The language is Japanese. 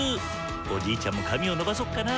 おじいちゃんも髪を伸ばそっかな。